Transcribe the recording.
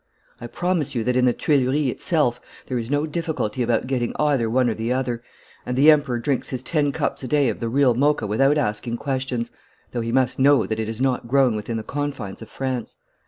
I promise you that in the Tuileries itself there is no difficulty about getting either one or the other, and the Emperor drinks his ten cups a day of the real Mocha without asking questions, though he must know that it is not grown within the confines of France.